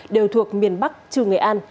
đều thuộc miền bắc trừ nghệ an